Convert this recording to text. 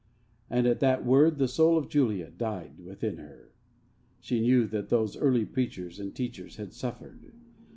And at that word the soul of Julia died within her. She knew what those early preachers and teachers had suffered.